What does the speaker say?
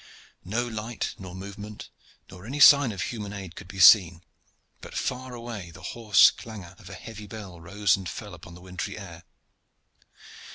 No light, nor movement, nor any sign of human aid could be seen, but far away the hoarse clangor of a heavy bell rose and fell upon the wintry air.